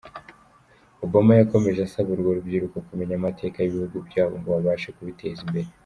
Obama yakomeje asaba urwo rubyiruko kumenya amateka y’ibihugu byabo ngo babashe kubiteza imbere.